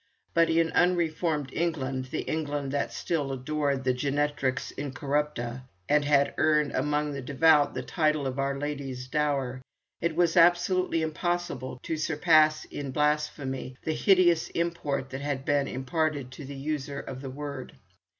But in unreformed England the England that still adored the Genetrix incorrupta, and had earned among the devout the title of Our Lady's Dower, it was absolutely impossible to surpass in blasphemy the hideous import that had been imparted to the user of the word.